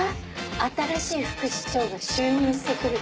新しい副市長が就任してくるって。